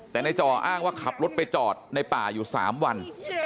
แต่ในจ่ออ้างว่าขับรถไปจอดในป่าอยู่๓วัน